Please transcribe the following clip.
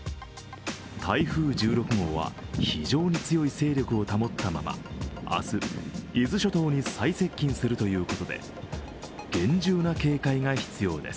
台風１６号は非常に強い勢力を保ったまま明日、伊豆諸島に最接近するということで厳重な警戒が必要です。